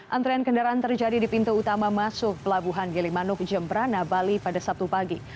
antrean kendaraan terjadi di pintu utama masuk pelabuhan gilimanuk jembrana bali pada sabtu pagi